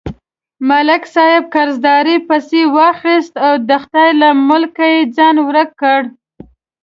ملک صاحب قرضدارۍ پسې واخیست، د خدای له ملکه یې ځان ورک کړ.